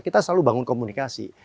kita selalu bangun komunikasi